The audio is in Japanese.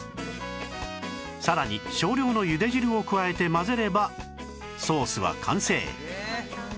さらに少量のゆで汁を加えて混ぜればソースは完成